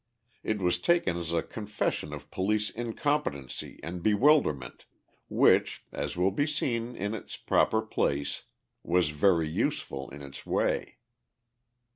It was taken as a confession of police incompetency and bewilderment—which, as will be seen in its proper place, was very useful in its way.